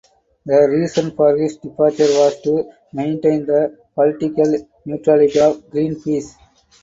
The reason for his departure was to maintain the political neutrality of Greenpeace.